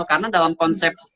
karena dalam konsep